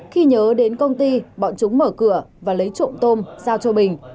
khi nhớ đến công ty bọn chúng mở cửa và lấy trộm tôm giao cho bình